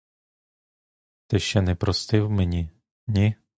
Ти ще не простив мені, ні?